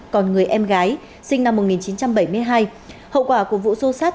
còn người em gái sinh năm một nghìn chín trăm bảy mươi hai hậu quả của vụ sâu sát